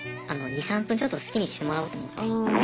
２３分ちょっと好きにしてもらおうと思って。